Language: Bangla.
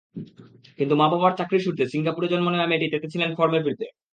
কিন্তু মা-বাবার চাকরির সূত্রে সিঙ্গাপুরে জন্ম নেওয়া মেয়েটি তেতে ছিলেন ফর্মে ফিরতে।